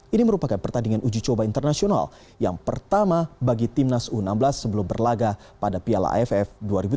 ini merupakan pertandingan uji coba internasional yang pertama bagi timnas u enam belas sebelum berlaga pada piala aff dua ribu delapan belas